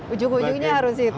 ujung ujungnya harus itu